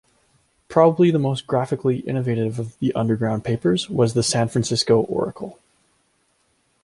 Probably the most graphically innovative of the underground papers was the "San Francisco Oracle".